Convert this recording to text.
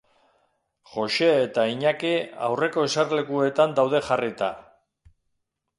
Joxe eta Iñaki aurreko eserlekuetan daude jarrita.